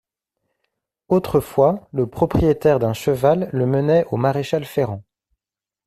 Autrefois, le propriétaire d'un cheval le menait au maréchal-ferrant.